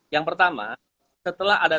yang pertama setelah ada